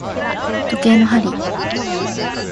時計の針